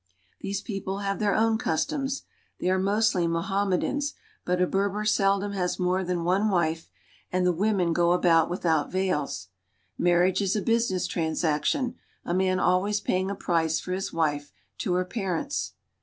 These f people have their own I. customs. They are I mostly Mohammed jSins, but a Berber sel has more than wife, and the romen go about with veils. Marriage L business transac 1, a man always aying a price for his ; to her parents.